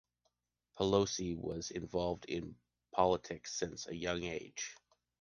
Pelosi was involved in politics since a young age.